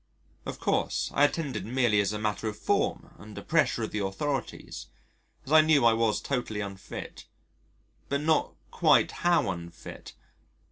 Of course I attended merely as a matter of form under pressure of the authorities, as I knew I was totally unfit but not quite how unfit.